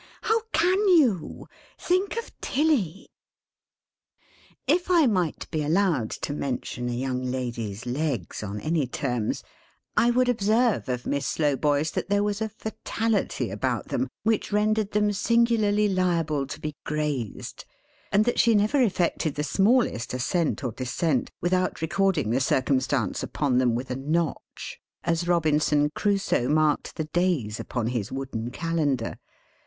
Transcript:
How can you! Think of Tilly!" If I might be allowed to mention a young lady's legs, on any terms, I would observe of Miss Slowboy's that there was a fatality about them which rendered them singularly liable to be grazed; and that she never effected the smallest ascent or descent, without recording the circumstance upon them with a notch, as Robinson Crusoe marked the days upon his wooden calendar.